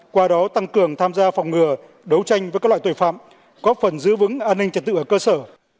qua đó tăng cường tham gia phòng ngừa đấu tranh với các loại tội phạm góp phần giữ vững an ninh trật tự ở cơ sở